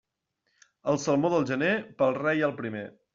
El salmó del gener, pel rei el primer.